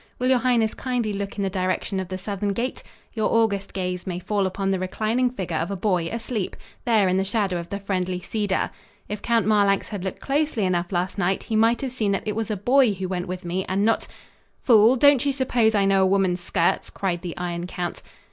Will your highness kindly look in the direction of the southern gate? Your august gaze may fall upon the reclining figure of a boy asleep, there in the shadow of the friendly cedar. If Count Marlanx had looked closely enough last night he might have seen that it was a boy who went with me and not " "Fool! Don't you suppose I know a woman's skirts?" cried the Iron Count.